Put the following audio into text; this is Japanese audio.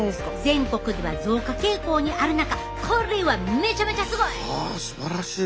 全国では増加傾向にある中これはめちゃめちゃすごい！